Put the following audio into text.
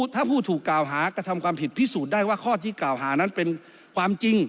ถ้าผู้ถูกกล่าวหากระทำความผิดพิสูจน์ได้ว่าข้อที่กล่าวหานั้นเป็นความจริง